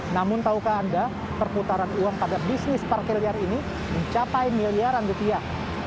namun tahukah anda perputaran uang pada bisnis parkir liar ini mencapai miliaran rupiah